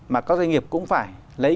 mà các doanh nghiệp cũng phải lấy